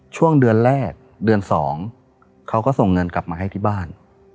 ช่วงเดือนแรกเดือน๒เขาก็ส่งเงินกลับมาให้ที่บ้าน